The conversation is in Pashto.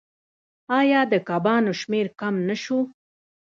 آیا د کبانو شمیر کم نشو؟